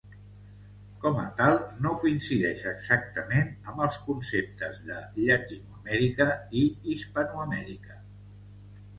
Com a tal, no coincideix exactament amb els conceptes de Llatinoamèrica i Hispanoamèrica.